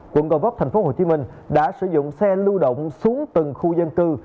quận gò vấp tp hcm đã sử dụng xe lưu động xuống từng khu dân cư